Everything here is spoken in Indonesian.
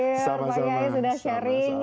masya allah jazakallah khair pak iqay sudah sharing